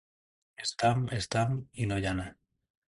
Estam, estam i no llana.